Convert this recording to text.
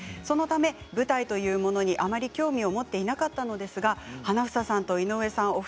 そのため舞台というものにあまり興味を持っていなかったのですが花總さん、井上さん